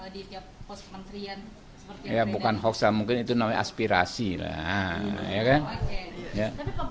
di tiap pos kementerian bukan hoax lah mungkin itu namanya aspirasi lah ya kan